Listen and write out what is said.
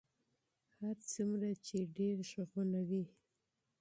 هر څومره چې ډېر غږونه وي.